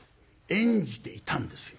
演じていたんですよ。